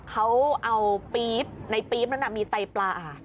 เขาเอาปี๊บในปี๊บนั้นมีไตปลา